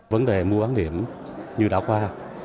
vấn đề mua bán điểm như đã qua